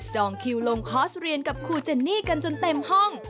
คิวลงคอร์สเรียนกับครูเจนนี่กันจนเต็มห้อง